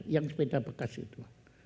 yang sepeda bekas itu